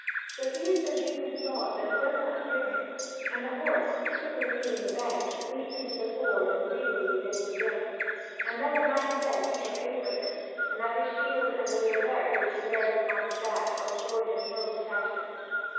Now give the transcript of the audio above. But he is so deep in thought that he does not hear him. And the horse, quickly leaving the bank, leaps into the ford and greedily begins to drink. And the knight says he shall pay for this, that his shield and the hauberk he wears upon his back shall afford him no protection.